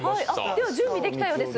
では、準備できたようです。